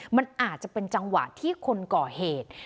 มันอาจจะเป็นจังหวะที่คนก่อเหตุ